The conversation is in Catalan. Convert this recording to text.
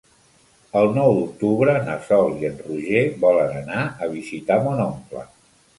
El nou d'octubre na Sol i en Roger volen anar a visitar mon oncle.